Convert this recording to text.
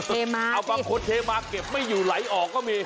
เทมาเอาบางคนเทมาเก็บไม่อยู่ไหลออกก็มี